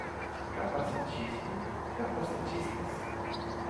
Capaticismo, capacitistas